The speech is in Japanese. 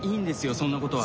そんなことは。